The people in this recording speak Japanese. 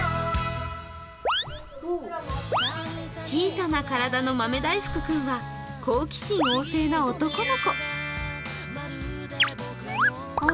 小さな体の豆大福君は好奇心旺盛な男の子。